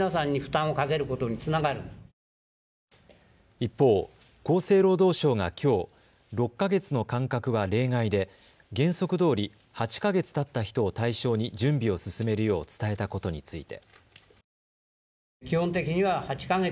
一方、厚生労働省がきょう６か月の間隔は例外で原則どおり８か月たった人を対象に準備を進めるよう伝えたことについて。